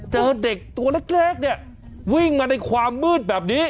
เจอเด็กตัวเล็กเนี่ยวิ่งมาในความมืดแบบนี้